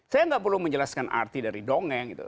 saya tidak perlu menjelaskan arti dari dongeng